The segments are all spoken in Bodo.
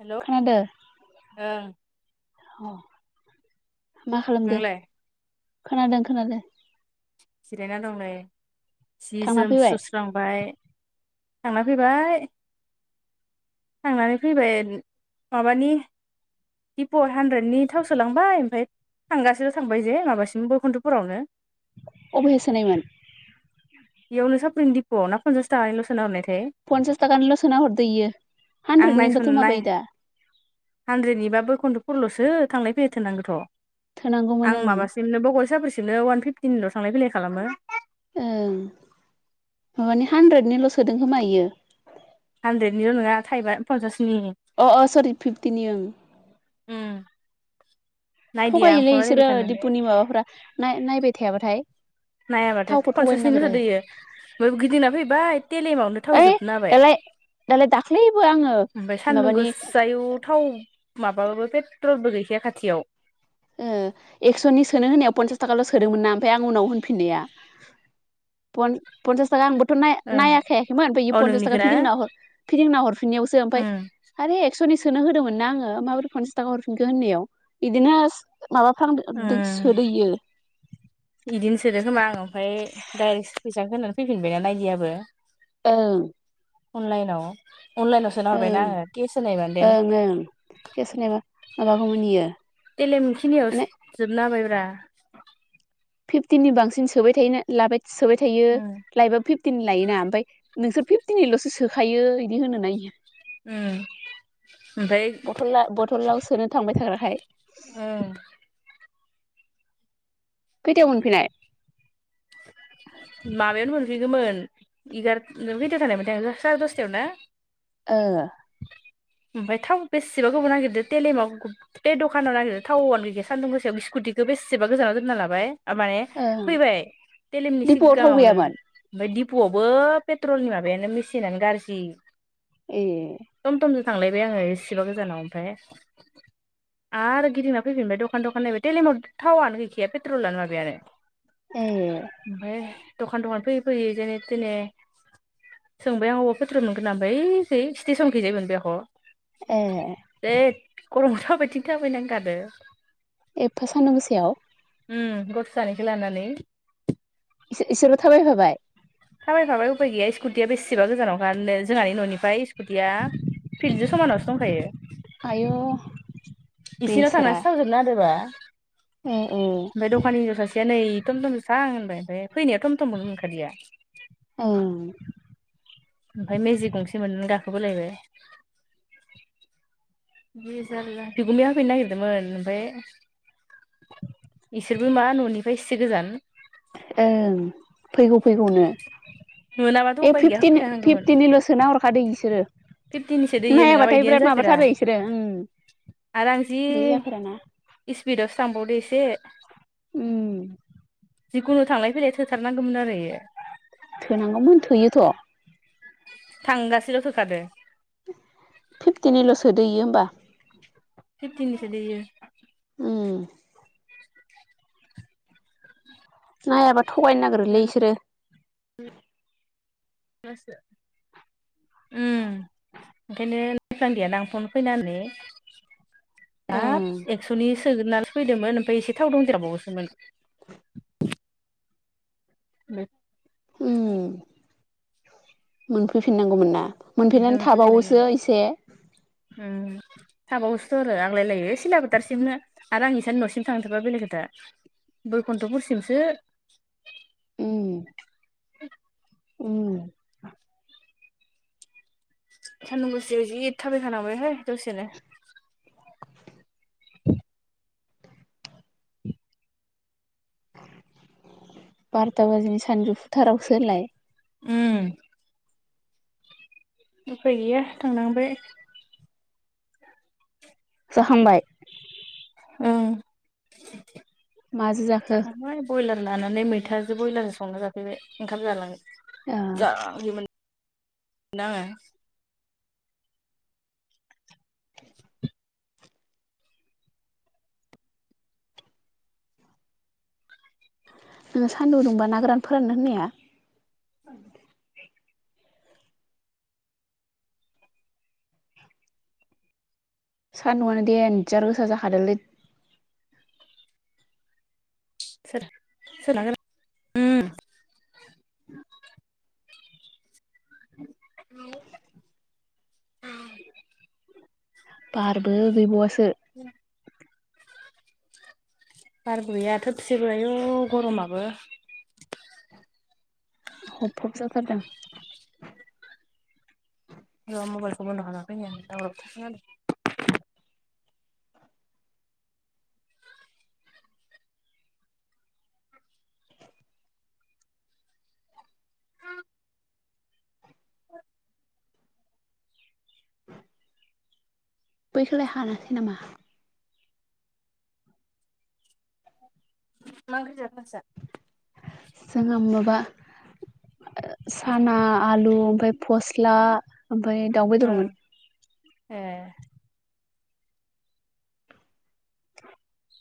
हेल' खोनादो ओं अ मा खालामदो नोंलाय खोनादों खोनादों। जिरायना दं नै जि थांना जोम फैबाय सुस्रांबाय थांना फैबाय। थांनानै फैबाय माबानि दिप' हानद्रेदनि थाव सोलांबाय ओमफ्राय थांगासिल' थांबाय जों माबासिम बयकुन्दपुरावनो अबेहाय सोनायमोन? अ ना फनसास थाखानिलल सोना हरनायथाय पन्सास थाखानिल' सोना हरदोयो आं नायसन हानद्रेदनिबथ' नाय माबायो दा हानद्रेदनिबा बैखन्थ'फुरल'सो दो थांलाय फैलाय थोनांगौथ' थोनांगौमोन आं ओं माबासिमनो बगल साब्रसिमनो वान फिफ्टि निल' थांलाय फैलाय खालामो। ओं माबानानि हानद्रेदनिल' सोदों खोमा बियो हानद्रेदनिल' नङा थाइबा पन्सास अ अ सरि फिफ्टिनि ओं उम नायदिया आं थगायोलै फना नायबाय बिसोरो थानानै दिपुनि माबाफोरा नाय नायबाय थायाबाथाय नायाबाथाय थावखौ थगायनो फनसासनिनो नागिरो होदोयो ओमफ्राय गिदिंना फैबाय तेलेमावनो ओइ थावजोबनो हाबाय। दालाय दालाय दाख्लै ओमफ्राय सान्दुं गोसाय थाव माबाबो पेट्रलबो गै खाया खाथियाव ओ एक्स'नि सोनो होनायाव पनसास थाखाल' सोदोंमोन ना ओमफ्राय आं उनाव होनफिननाया पन पन्सास थाखा आंबो नय नायाखायाखैमोन ओमफ्राय औ पनसास थाखा नोंनिखौ ना फिदिंना फिदिंना हरफिननायावसो ओमफ्राय उम हारे एक्स' सनि सोनो होदोंमोन ना आङो माबोरै पन्सास थाखा हरफिनखो होननायाव बिदिनो [unintelligible] सोदो यो बिदिनो सोदो खोमा आं ओमफ्राय डाइरेक्ट [unintelligible] होनानै फैफिनबायना नायदियाबो औ अनलायनाव अनलाइनाव सोना हरबायना आङो केस होनायबानोदेन ओं ओं केस होनायबा [unintelligible] देलेम खिनियाव माने जोबना हाबायब्रा फिफ्टिननि बांसिन सोबाय थायो लाबाय सोबाय थायो उम लायबो फिफ्टिननि लायोना ओमफ्राय नोंसोर फिफ्टिननिल'सो सोखायो बिदि होनो नायो। ओम बथला बथलाव सोनो थांबाय थाग्राखाय उम खैथायाव मोनफैनाय माबायावनो मोनफैगौमोन एगार [unintelligible] थानायमोनथाय साराय दसथायाव ना ओ ओमफ्राय थाव बेसेबा गोब नागिरदो तेलेमाव गुथे दखानाव नागिरदो थावनो गैया सान्दुं गोसायाव स्कुटिखौ बेसेबा गोजानाव दोनना लाबाय माने ओं फैबाय तेलिमनि डिपुआव थाव सिगाङावनो गैयामोन ओमफ्राय दिपुआवबो पेट्रलनि माबायानो मेसिनानो गाज्रि ए टम टमजों थांलायबाय आङो बेसिबा गोजानाव ओमफ्राय आरो गिदिंना फैफिनबाय दखान दखान नायबाय टेलेमाव थावानो गैखाया पेट्रलानो माबाया नो ए ओमफ्राय दखान दखान फैयै फैयै जेने थेने सोंबाय आं अबावा पेट्रल मोनगोन आमफाय ऐखै स्टेसनखैजाय मोनबाय आख ए जै गरमाव थाबायथिं थाबायना गादो एफा सान्दुं गोसेयाव उम गथ' सानैखौ लानानै इसोरो थाबायफाबाय थाबायफाबाय उफाय गैया स्कुटिया बेसेबा गोजानावंखारनो जोंहानि न'निफ्राय स्कुटिया फिलजों समानावसो दंखायो आय' इसिनाव बेसेरा थांनानैसो थावजोबनोदोबा ओ ओ बे दखानि नै थमथमजों थां होनबाय ओमफ्राय फैनायाथ थमथममोननो मोनखालिया औ ओमफ्राय मेजिक गंसे [unintelligible] बिगोमाया होफैनो नागिरदोंमोन ओमफ्राय बिसोरबो मा न'निफ्राय एसे गोजान ओं फैगौ फैगौनो मोनाबाथ' ए उफाय गैया फिफ्टिन होफैखानांगौमोन फिफ्टिननिल सोना हरखादों बिसोरो फिफ्टिनिसो दैयो नङाबा नायाबाथाय इदियानो बिराद जाफेरा माबाथारो बिसोरो ओ आरो आं जि इसपिदावसो थांबावदो एसे उम जिखुनु थांलायैलाय थोथारनांगौमोन आरो थोनांगौमोन थोयोथ थांगासिल थोखादो फिफ्टिननिल सोदो इयो होमबा फिपथिनि सोदो इयो उम नायाबा थगायनो नागिरोलै उम बिसोरो [unintelligible] उम ओंखायनो नायफ्लांदिया ना आं फन फैनानै ओं हाब एक्स'नि सोगोन नालै फैदोंमोन ओमफ्राय एसे थाव दंजेराबावोसोमोन उम मोनफैफिननांगौमोन ना ओमफ्राय मोनफिननानै थाबावोसो हरफैफिननांगौमोन इसे थाबावसोथ आरो आग्लाय लायो सिला बोथारसिमनो आरो आंनिसानि न'सिम थांथारबा बेलेग खोथा बैकुन्थपुरसिमसो उम उम सानदुं गोसायाव जि थाबाय खानांबाय हाय दसेनो बारथा बाजिनि सानजौफुथारावसो होनलाय [inaudible] उम उफाय गैया थांनांबाय जाखांबाय माजो जाखो जाखांहबाय ब्रयलार लानानै मैथा जों ब्रयलारजों संना जाफैबाय ओंखाम ओ जालाङाखैमोन [unintelligible] [inaudible] नोङो सानदुं दुंबा ना गोरान फोरानोनो होननाया सानदुंङानो देनजार गोसा जाखादोंलै सोर औ औ बारबो गैबावसो बारबो गैया थोबसेबो आयु गरमाबो हबहब जाथारदों र मबाइलखौ बन्द खालामना फैनि आं बैखौलाय हानासै नामा? मा ओंख्रि जाखो? नोंसा? जोंहा मुवाबा साना आलु ओमफाय फ'स्ला ओमफ्राय दाउ बेदरमोन ए [inaudible]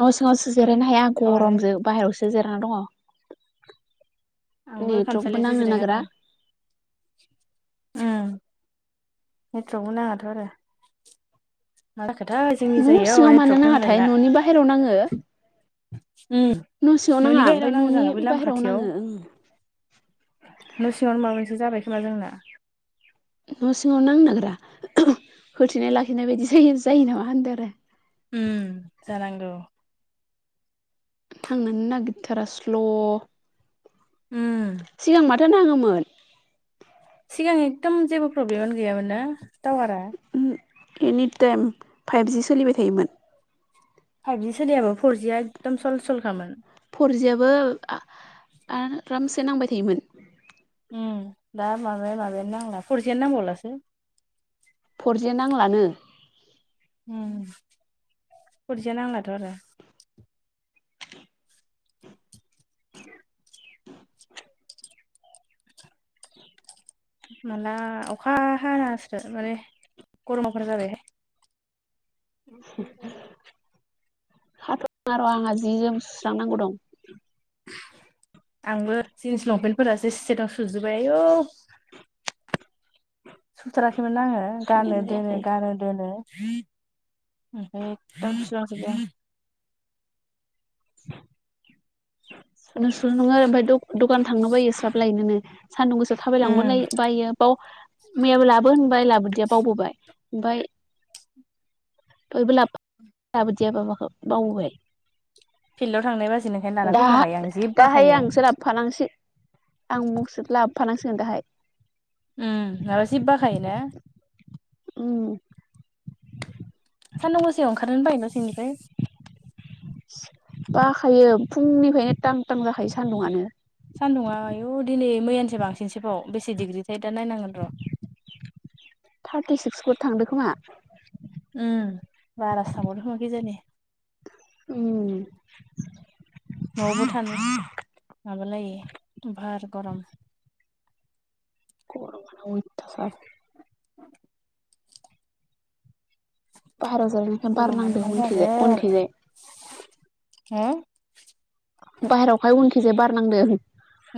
न' सिङावसो जिरायनो हाया थावानो गरमजों बाहेरायावसो जिरायना दङ' आंबो नेटवर्कबो खामसालियावसो नांनो जिरायना नागिरा दं ओम नेथथ्र'बो नाङाथ' आरो मा जाखोथाय जोंनि न' जायगायाव सिङाव मानो नेटथ्र'क नाङाथाय नांलायला न'नि बाहेरायाव नाङो उम न' सिङाव नाङा न'नि ओमफ्राय बाहेराव नाङो न'नि जाहाना बै लामा बाहेरायाव खाथियाव नाङो ओं न' सिङावनो माबा मोनसे जाबाय खोमा जोंना न' सिङाव नांनोग्रा होथेनाय लाखिनाय बायदि जायो जायो नामा होनदों आरो उम जानांगौ नांनोनो नागिरथारा स्ल' उम सिगां माथो नाङोमोन सिगां एकदम जेबो प्रब्लेमानो गैयामोन ना टावारा एनिटाइम फाइभजि सोलिबाय थायोमोन फाइभजि सोलियाबो फरजिया एकदम सल सलखामोन फरजियाबबो आरामसे नांबाय थायोमोन ओम दा माबाया माबायानो नांला फरजियानो नांबावलासो फरजिया नांलानो ओम‌ फरजिया नांलाथ' आरो [inaudible] माला अखा हानासो माने गरमा फोरा [unintelligible] जाबायहाय [inaudible] र' आंहा जि जोम सुस्रांनांगौ दं आंबो जिनस लंपेनटफोरासो सिटाव [unintelligible] सुजोबबाय आयौ सुथाराखैमोन आङो गानो सुनायानो दोनो जायाखै गानो दोनो ओम [unintelligible] [inaudible] नों सुनो नङो ओमफ्राय द'खान थांनो बायो स्राब लायनोनो सानदुं गोसोयाव थाबायलांनो उम बायो बाव मैयाबो लाबो होनबाय लाबोदिया बावबोबाय ओमफ्राय बयबो ला [unintelligible] लाबोदिया बाबाखौ बावबाय फिल्डआव थांनाय बाजैनिखायनो लाना दाहा फैफाखायो आं जि दाहाय बाखायो आंसो लाबोफानांसिगोन आं मुगसो [unintelligible] लाबोफानांसिगोन दाहाय उम माबा जि बाखायोना ओम सानदुं गोसायाव ओंखारोनोनो बायो न' सिंनिफ्राय बाखायो फुंनिफ्रायनो थां थां जाखायो सानदुङानो सानदुङा आयु दिनै मैयानिसाय बांसिनसोबाव बेसे डिग्रिथाय दा नायनांगोन र' [inaudible] थारटि [unintelligible] सिक्स [unintelligible] फ [unintelligible] थांदों खोमा उम बारासो थांबावदों खोमा खिजानि ओम न'आवबो थानो माबालायै बार गारम गरमानो अइथासार [inaudible] बाहेरायाव जिरायनायखाय बार गरमानो नांदों मा उनखिजाय जादों उनखिजाय हुम [unintelligible] बाहेरावहाय उनखिजाया बारनांदों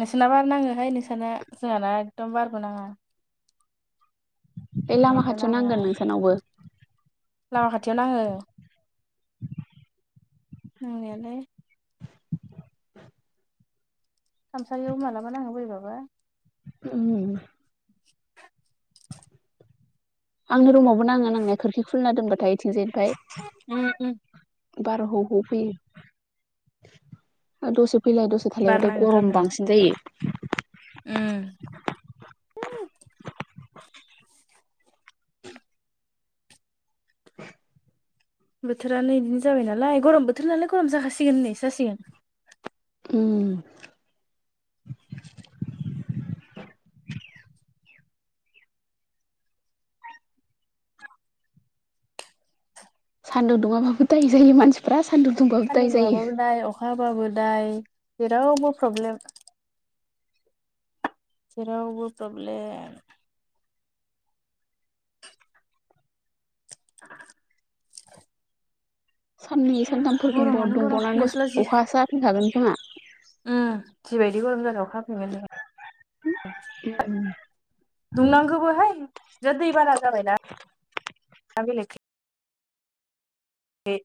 नोंसोबाना नाङोहाय नोंसोरना जोंहाना एकदम बारबो नाङा एै लामा माबो खाथियाव नाङा नांगोन नोंसानावबो लामा खाथियाव नाङो [inaudible] नांनायालाय खामसालियाव मालाबा नाङो बैरैबाबा [inaudible] आंनो रुमावबो नाङो आंनि खोरखि खुलिना दोनबाथाय इथिंजाय फाय उम उम बार' हौ हौ फैयो [unintelligible] फैलाय दसे बार थालायबाथाय नाङोथ' गरम नोंनाव बांसिन जायो उम [inaudible] [inaudible] बोथोरा नै बिदिनो जाबाय नालाय गरम बोथोर नालाय गरम जाखासिगोन होननाय सो जासिगोन उम सान्दुं दुङाबाबो दाय जायो मानसिफ्रा सान्दुं दुंबाबो दाय जायो। अखाबाबो दाय जेरावबो प्रब्लेम जेरावबो प्रब्लेम साननै सानथामफोर दुंबाव गरमानो गरम दुंबावनानै गस्ला जि अखासो हाफिनखागोन खोमा। उम जिबायदि गरम जादों हा उम दुंनांगौबोहाय जा दै बाना जाबायना दा बेलेग ए